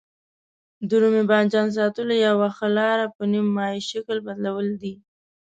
د رومي بانجانو ساتلو یوه ښه لاره په نیم مایع شکل بدلول دي.